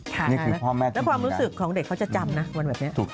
และความรู้สึกของเด็กเขาจะจำนะวันแบบนี้